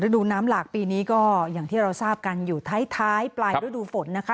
ดูน้ำหลากปีนี้ก็อย่างที่เราทราบกันอยู่ท้ายปลายฤดูฝนนะคะ